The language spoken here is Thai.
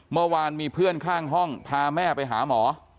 เมื่อวานมีเพื่อนข้างห้องพาแม่ไปหาหมอ